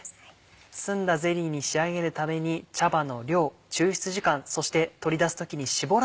澄んだゼリーに仕上げるために茶葉の量抽出時間そして取り出す時に絞らない。